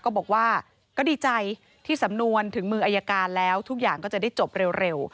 ก็บอกว่าก็ดีใจที่สำนวนถึงมืออายการแล้วทุกอย่างก็จะได้จบเร็ว